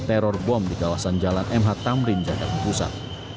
teror bom di kawasan jalan mh tamrin jakarta pusat